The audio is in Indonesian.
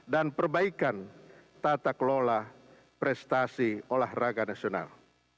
dan perbaikan tata kelola prestasi olahraga nasional